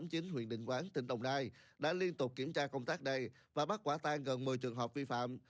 huyền định quán tỉnh đồng nai đã liên tục kiểm tra công tác này và bắt quả tàn gần một mươi trường hợp vi phạm